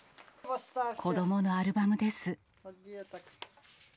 子どものアルバムです。